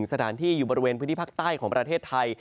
สถานที่อยู่บริเวณพื้นที่ภาคใต้ของประเทศไทย